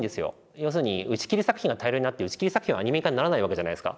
要するに打ち切り作品が大量にあって打ち切り作品はアニメ化にならないわけじゃないですか。